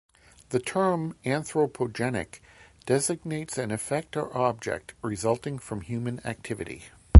The term "anthropogenic" designates an effect or object resulting from human activity.